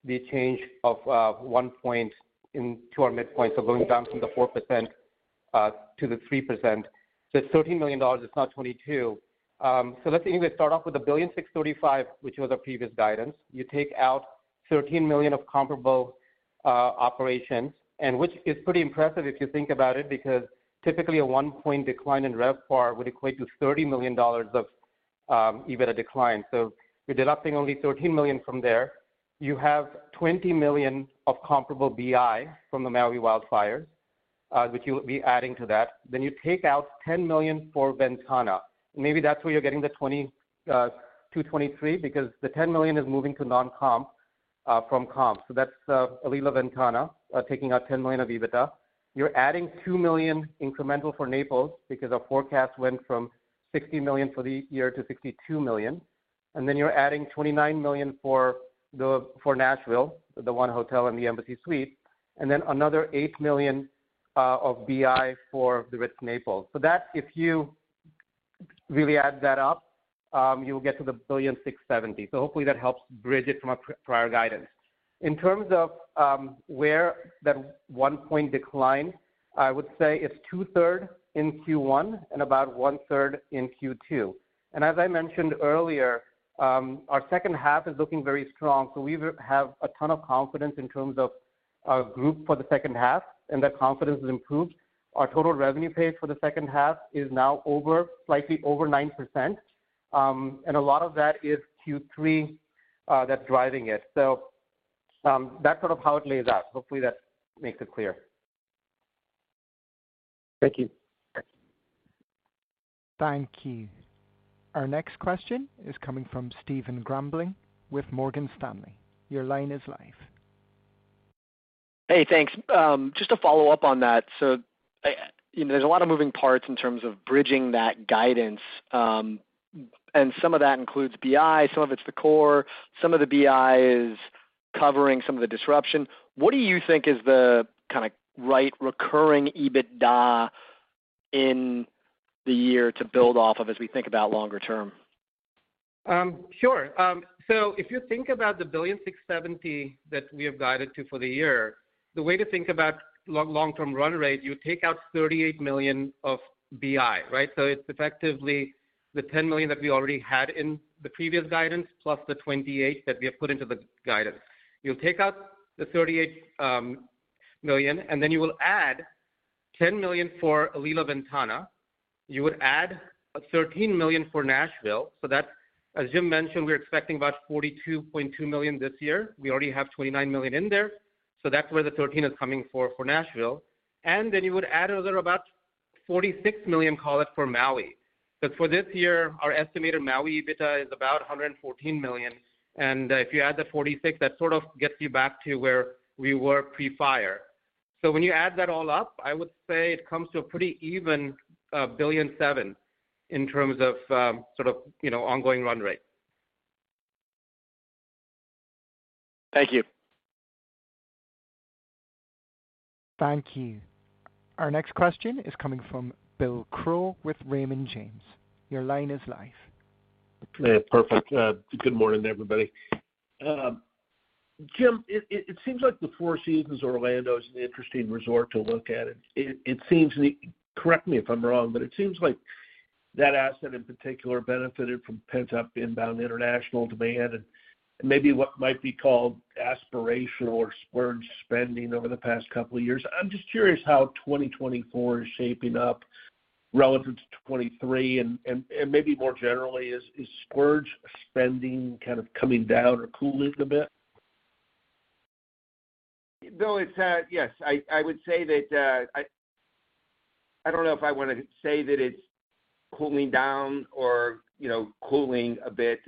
Speaker 3: the change of 1 point into our midpoint, so going down from 4% to 3%. So it's $13 million, it's not $22. So let's start off with $1.635 billion, which was our previous guidance. You take out $13 million of comparable operations, and which is pretty impressive if you think about it, because typically a 1-point decline in RevPAR would equate to $30 million of EBITDA decline. So we're diluting only $13 million from there. You have $20 million of comparable BI from the Maui wildfires, which you'll be adding to that. Then you take out $10 million for Ventana. Maybe that's where you're getting the twenty, 2023, because the $10 million is moving to non-comp, from comp. So that's, Alila Ventana, taking out $10 million of EBITDA. You're adding $2 million incremental for Naples, because our forecast went from $60 million for the year to $62 million. And then you're adding $29 million for—for Nashville, the 1 Hotel and the Embassy Suite, and then another $8 million, of BI for the Ritz Naples. So that, if you really add that up, you'll get to the $1.67 billion. So hopefully that helps bridge it from our prior guidance. In terms of where that 1-point decline, I would say it's two-thirds in Q1 and about one-third in Q2. And as I mentioned earlier, our second half is looking very strong, so we have a ton of confidence in terms of our group for the second half, and that confidence is improved. Our total revenue pace for the second half is now over, slightly over 9%. And a lot of that is Q3, that's driving it. So, that's sort of how it lays out. Hopefully, that makes it clear.
Speaker 8: Thank you.
Speaker 1: Thank you. Our next question is coming from Stephen Grambling with Morgan Stanley. Your line is live.
Speaker 9: Hey, thanks. Just to follow up on that, so, you know, there's a lot of moving parts in terms of bridging that guidance, and some of that includes BI, some of it's the core, some of the BI is covering some of the disruption. What do you think is the kind of right recurring EBITDA in the year to build off of as we think about longer term?
Speaker 4: Sure. So if you think about the $1.67 billion that we have guided to for the year, the way to think about long-term run rate, you take out $38 million of BI, right? So it's effectively the $10 million that we already had in the previous guidance, plus the $28 million that we have put into the guidance. You'll take out the $38 million, and then you will add $10 million for Alila Ventana. You would add $13 million for Nashville. So that's, as Jim mentioned, we're expecting about $42.2 million this year. We already have $29 million in there, so that's where the $13 million is coming for, for Nashville. And then you would add another, about $46 million, call it, for Maui. So for this year, our estimated Maui EBITDA is about $114 million, and if you add the $46, that sort of gets you back to where we were pre-fire. So when you add that all up, I would say it comes to a pretty even $1.7 billion in terms of sort of, you know, ongoing run rate.
Speaker 9: Thank you.
Speaker 1: Thank you. Our next question is coming from William Crow with Raymond James. Your line is live.
Speaker 10: Hey, perfect. Good morning, everybody. Jim, it seems like the Four Seasons Orlando is an interesting resort to look at. It seems, and correct me if I'm wrong, but it seems like that asset, in particular, benefited from pent-up inbound international demand and maybe what might be called aspirational or splurge spending over the past couple of years. I'm just curious how 2024 is shaping up relative to 2023, and maybe more generally, is splurge spending kind of coming down or cooling a bit?
Speaker 3: Bill, it's yes, I would say that I don't know if I want to say that it's cooling down or, you know, cooling a bit.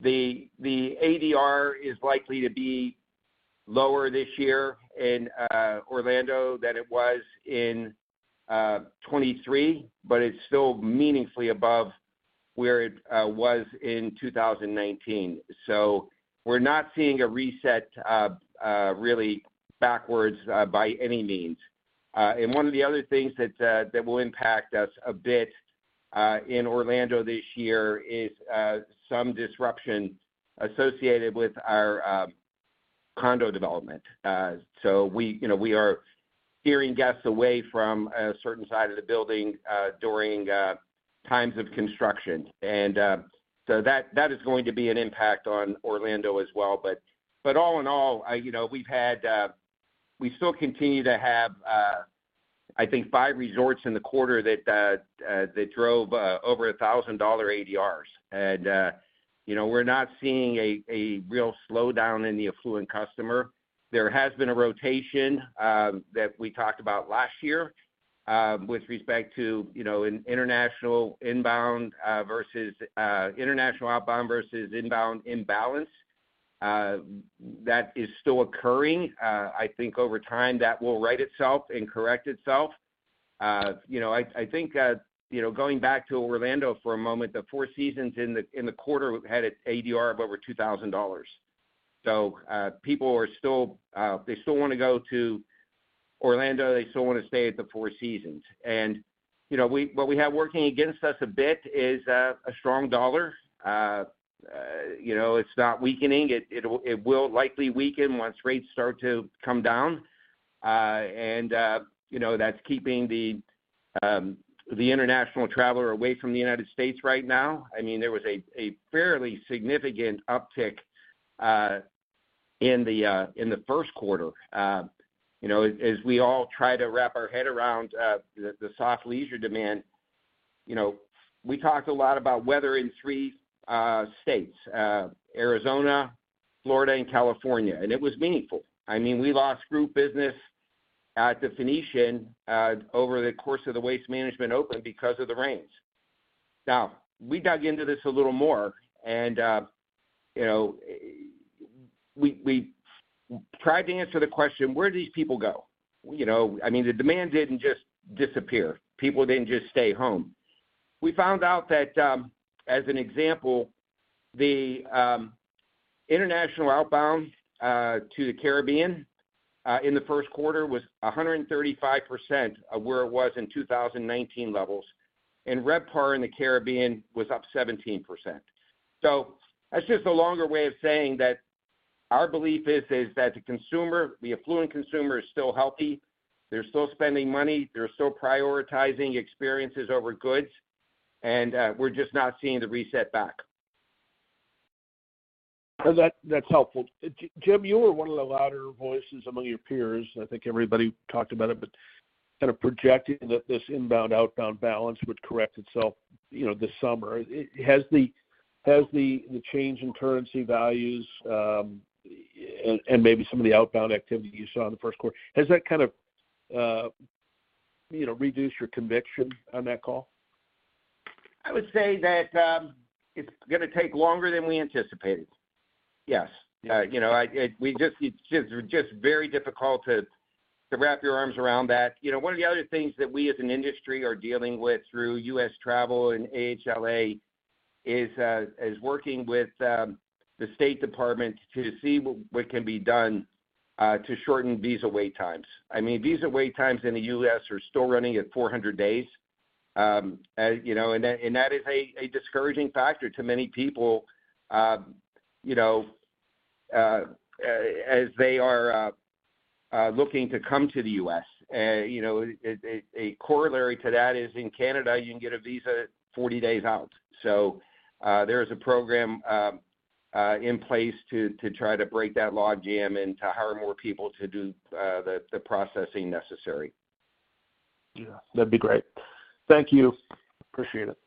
Speaker 3: The ADR is likely to be lower this year in Orlando than it was in 2023, but it's still meaningfully above where it was in 2019. So we're not seeing a reset really backwards by any means. And one of the other things that will impact us a bit in Orlando this year is some disruption associated with our condo development. So we, you know, we are steering guests away from a certain side of the building during times of construction. And so that is going to be an impact on Orlando as well. But all in all, you know, we've had, we still continue to have, I think, 5 resorts in the quarter that drove over $1,000 ADRs. And, you know, we're not seeing a real slowdown in the affluent customer. There has been a rotation that we talked about last year with respect to, you know, an international inbound versus international outbound versus inbound imbalance. That is still occurring. I think over time, that will right itself and correct itself. You know, I think, you know, going back to Orlando for a moment, the Four Seasons in the quarter had an ADR of over $2,000. So, people are still, they still want to go to Orlando, they still want to stay at the Four Seasons. You know, what we have working against us a bit is a strong dollar. You know, it's not weakening. It will likely weaken once rates start to come down. You know, that's keeping the international traveler away from the United States right now. I mean, there was a fairly significant uptick in the Q1. You know, as we all try to wrap our head around the soft leisure demand, you know, we talked a lot about weather in three states, Arizona, Florida, and California, and it was meaningful. I mean, we lost group business at the Phoenician over the course of the Waste Management Open because of the rains. Now, we dug into this a little more and, you know, we tried to answer the question: Where did these people go? You know, I mean, the demand didn't just disappear. People didn't just stay home. We found out that, as an example, the international outbound to the Caribbean in the Q1 was 135% of where it was in 2019 levels, and RevPAR in the Caribbean was up 17%. So that's just a longer way of saying that our belief is that the consumer, the affluent consumer, is still healthy. They're still spending money, they're still prioritizing experiences over goods, and, we're just not seeing the reset back.
Speaker 10: That, that's helpful. Jim, you were one of the louder voices among your peers, I think everybody talked about it, but kind of projecting that this inbound-outbound balance would correct itself, you know, this summer. Has the change in currency values, and maybe some of the outbound activity you saw in the Q1, kind of, you know, reduced your conviction on that call? ...
Speaker 3: I would say that it's gonna take longer than we anticipated. Yes. You know, it's just very difficult to wrap your arms around that. You know, one of the other things that we as an industry are dealing with through US Travel and AHLA is working with the State Department to see what can be done to shorten visa wait times. I mean, visa wait times in the US are still running at 400 days. You know, and that is a discouraging factor to many people, you know, as they are looking to come to the US. You know, a corollary to that is in Canada, you can get a visa 40 days out. So, there is a program in place to try to break that logjam and to hire more people to do the processing necessary.
Speaker 10: Yeah, that'd be great. Thank you. Appreciate it.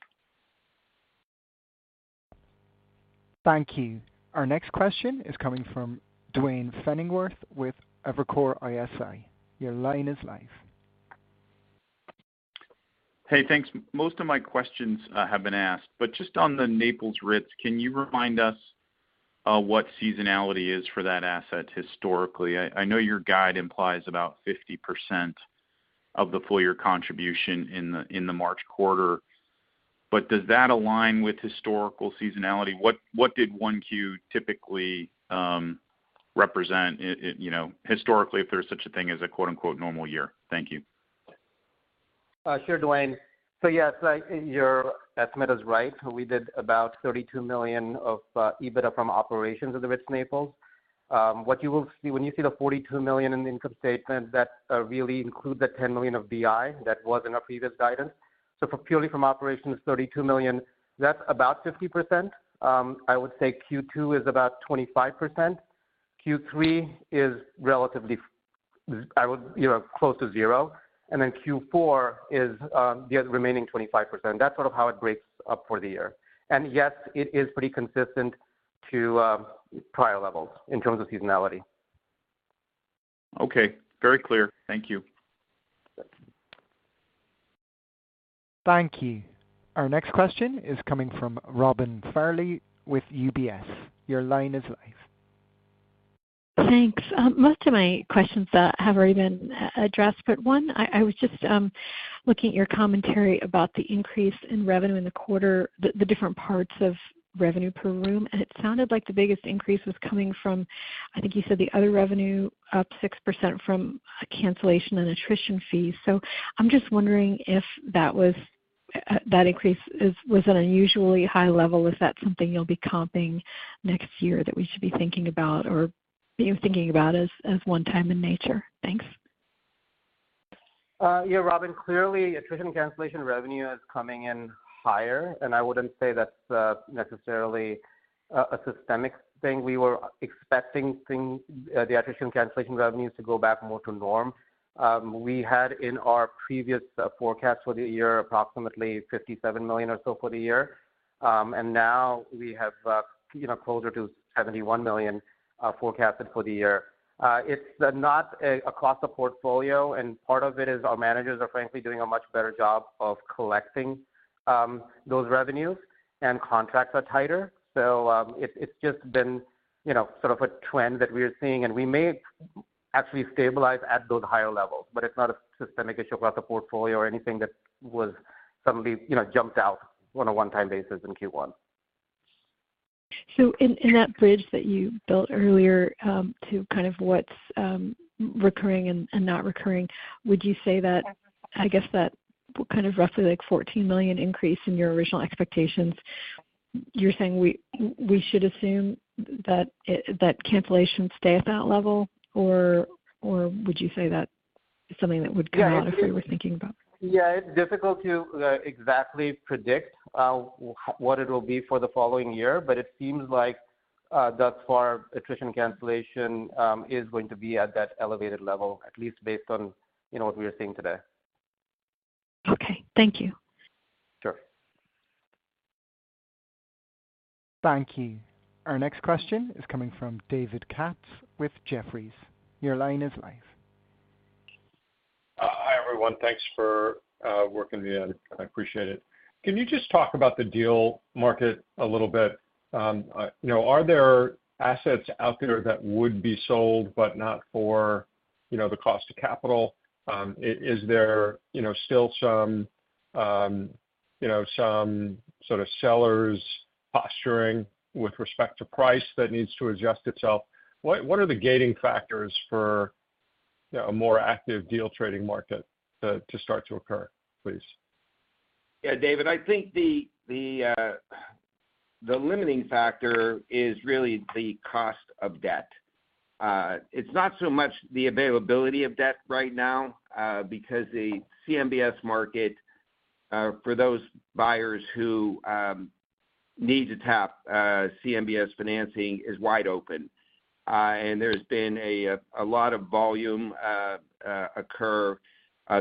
Speaker 1: Thank you. Our next question is coming from Duane Pfennigwerth with Evercore ISI. Your line is live.
Speaker 11: Hey, thanks. Most of my questions have been asked, but just on the Naples Ritz, can you remind us what seasonality is for that asset historically? I know your guide implies about 50% of the full year contribution in the March quarter, but does that align with historical seasonality? What did 1Q typically represent, you know, historically, if there's such a thing as a quote-unquote normal year? Thank you.
Speaker 4: Sure, Duane. So yes, your estimate is right. We did about $32 million of EBITDA from operations of the Ritz-Carlton Naples. What you will see when you see the $42 million in the income statement, that really includes the $10 million of BI that was in our previous guidance. So for purely from operations, $32 million, that's about 50%. I would say Q2 is about 25%. Q3 is relatively, I would, you know, close to zero, and then Q4 is the remaining 25%. That's sort of how it breaks up for the year. And yes, it is pretty consistent to prior levels in terms of seasonality.
Speaker 11: Okay. Very clear. Thank you.
Speaker 1: Thank you. Our next question is coming from Robin Farley with UBS. Your line is live.
Speaker 12: Thanks. Most of my questions have already been addressed, but one, I was just looking at your commentary about the increase in revenue in the quarter, the different parts of revenue per room, and it sounded like the biggest increase was coming from, I think you said, the other revenue, up 6% from cancellation and attrition fees. So I'm just wondering if that increase was an unusually high level? Is that something you'll be comping next year that we should be thinking about or you're thinking about as one time in nature? Thanks.
Speaker 4: Yeah, Robin, clearly, attrition cancellation revenue is coming in higher, and I wouldn't say that's necessarily a systemic thing. We were expecting the attrition cancellation revenues to go back more to norm. We had in our previous forecast for the year, approximately $57 million or so for the year. And now we have, you know, closer to $71 million forecasted for the year. It's not across the portfolio, and part of it is our managers are frankly doing a much better job of collecting those revenues and contracts are tighter. So, it's just been, you know, sort of a trend that we're seeing, and we may actually stabilize at those higher levels. But it's not a systemic issue about the portfolio or anything that was suddenly, you know, jumped out on a one-time basis in Q1.
Speaker 12: So in that bridge that you built earlier, to kind of what's recurring and not recurring, would you say that, I guess that kind of roughly like $14 million increase in your original expectations, you're saying we should assume that it, that cancellations stay at that level, or would you say that is something that would come out if we were thinking about?
Speaker 4: Yeah, it's difficult to exactly predict what it will be for the following year, but it seems like, thus far, attrition cancellation is going to be at that elevated level, at least based on, you know, what we are seeing today.
Speaker 12: Okay. Thank you.
Speaker 4: Sure.
Speaker 1: Thank you. Our next question is coming from David Katz with Jefferies. Your line is live.
Speaker 13: Hi, everyone. Thanks for working me in. I appreciate it. Can you just talk about the deal market a little bit? You know, are there assets out there that would be sold but not for, you know, the cost of capital? Is there, you know, still some, you know, some sort of sellers posturing with respect to price that needs to adjust itself? What are the gating factors for, you know, a more active deal trading market to start to occur, please?
Speaker 3: Yeah, David, I think the limiting factor is really the cost of debt. It's not so much the availability of debt right now, because the CMBS market for those buyers who need to tap CMBS financing is wide open. And there's been a lot of volume occurred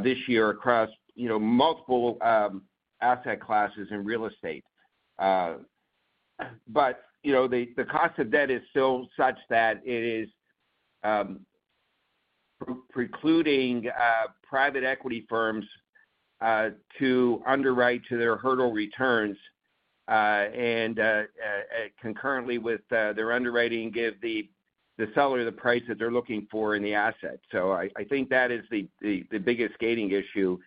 Speaker 3: this year across, you know, multiple asset classes in real estate. But, you know, the cost of debt is still such that it is precluding private equity firms to underwrite to their hurdle returns, and concurrently with their underwriting, give the seller the price that they're looking for in the asset. So I think that is the biggest gating issue,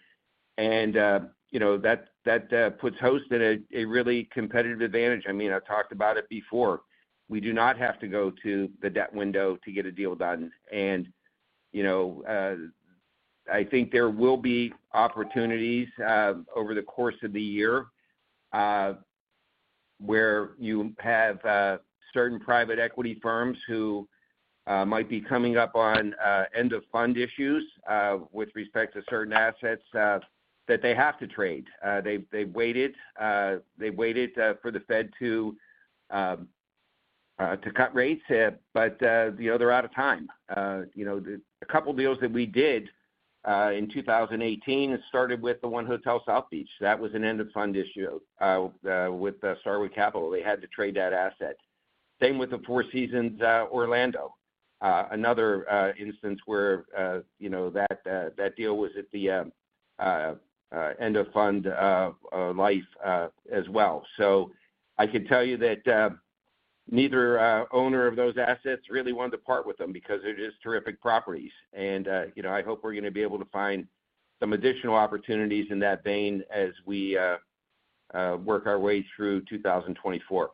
Speaker 3: and, you know, that puts Host in a really competitive advantage. I mean, I've talked about it before. We do not have to go to the debt window to get a deal done, and, you know, I think there will be opportunities over the course of the year, where you have certain private equity firms who might be coming up on end-of-fund issues with respect to certain assets that they have to trade. They've waited for the Fed to cut rates, but, you know, they're out of time. You know, a couple deals that we did in 2018 started with the 1 Hotel South Beach. That was an end-of-fund issue with Starwood Capital. They had to trade that asset. Same with the Four Seasons Orlando. Another instance where, you know, that deal was at the end-of-fund life as well. So I can tell you that neither owner of those assets really wanted to part with them because they're just terrific properties, and you know, I hope we're gonna be able to find some additional opportunities in that vein as we work our way through 2024.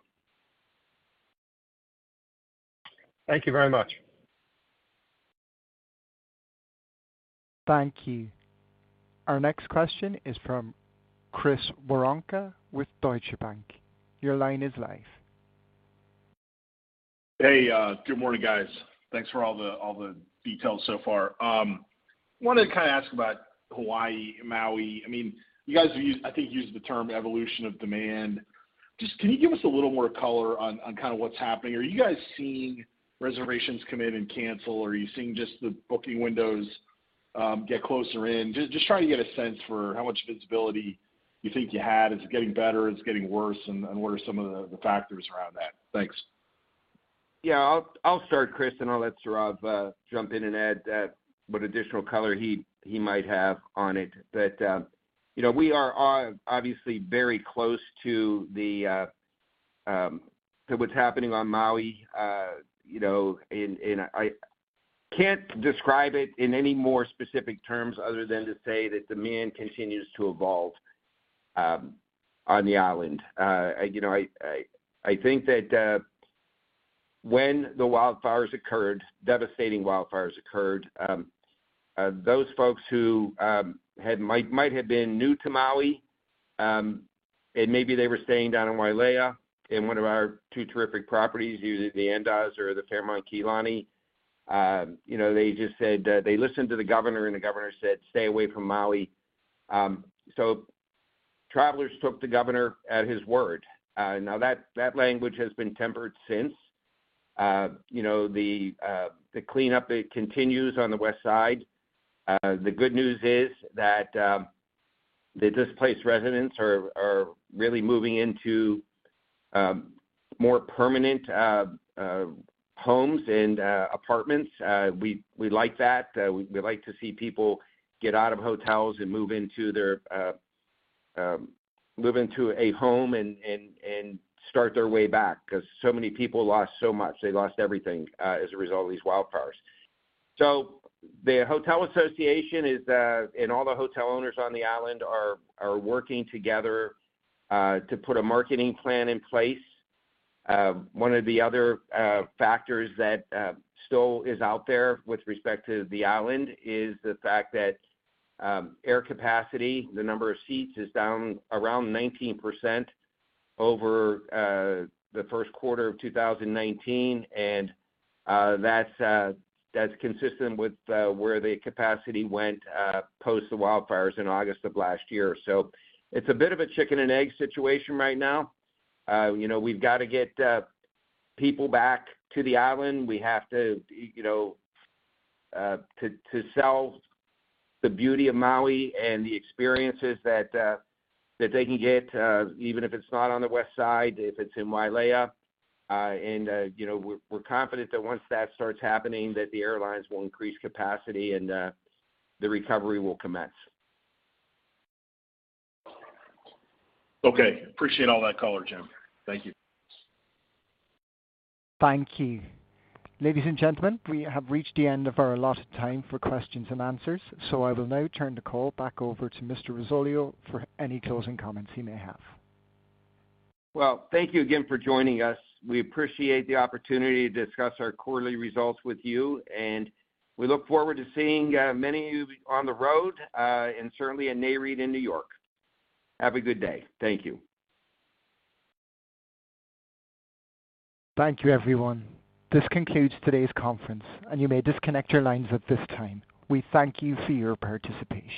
Speaker 13: Thank you very much.
Speaker 1: Thank you. Our next question is from Chris Woronka with Deutsche Bank. Your line is live.
Speaker 14: Hey, good morning, guys. Thanks for all the, all the details so far. Wanted to kind of ask about Hawaii, Maui. I mean, you guys use, I think, used the term evolution of demand. Just, can you give us a little more color on, on kind of what's happening? Are you guys seeing reservations come in and cancel, or are you seeing just the booking windows get closer in? Just, just trying to get a sense for how much visibility you think you had. Is it getting better? Is it getting worse, and, and what are some of the, the factors around that? Thanks.
Speaker 3: Yeah, I'll start, Chris, and I'll let Sourav jump in and add what additional color he might have on it. But, you know, we are obviously very close to what's happening on Maui. You know, I can't describe it in any more specific terms other than to say that demand continues to evolve on the island. You know, I think that when the wildfires occurred, devastating wildfires occurred, those folks who might have been new to Maui, and maybe they were staying down in Wailea, in one of our two terrific properties, either the Andaz or the Fairmont Kea Lani. You know, they just said they listened to the governor, and the governor said, "Stay away from Maui." So travelers took the governor at his word. Now that language has been tempered since. You know, the cleanup continues on the west side. The good news is that the displaced residents are really moving into more permanent homes and apartments. We like that. We like to see people get out of hotels and move into their home and start their way back, 'cause so many people lost so much. They lost everything as a result of these wildfires. So the hotel association and all the hotel owners on the island are working together to put a marketing plan in place. One of the other factors that still is out there with respect to the island is the fact that air capacity, the number of seats, is down around 19% over the Q1 of 2019, and that's consistent with where the capacity went post the wildfires in August of last year. So it's a bit of a chicken-and-egg situation right now. You know, we've got to get people back to the island. We have to, you know, to sell the beauty of Maui and the experiences that they can get even if it's not on the west side, if it's in Wailea. And you know, we're confident that once that starts happening, that the airlines will increase capacity and the recovery will commence.
Speaker 14: Okay. Appreciate all that color, Jim. Thank you.
Speaker 1: Thank you. Ladies and gentlemen, we have reached the end of our allotted time for questions and answers, so I will now turn the call back over to Mr. Risoleo for any closing comments he may have.
Speaker 3: Well, thank you again for joining us. We appreciate the opportunity to discuss our quarterly results with you, and we look forward to seeing many of you on the road, and certainly at NAREIT in New York. Have a good day. Thank you.
Speaker 1: Thank you, everyone. This concludes today's conference, and you may disconnect your lines at this time. We thank you for your participation.